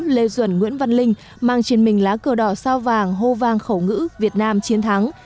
lê duẩn nguyễn văn linh mang trên mình lá cờ đỏ sao vàng hô vang khẩu ngữ việt nam chiến thắng